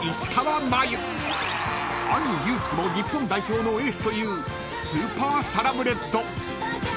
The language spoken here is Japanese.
［兄祐希も日本代表のエースというスーパーサラブレッド］